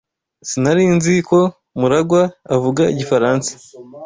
Sinari nzi ko MuragwA avuga igifaransa.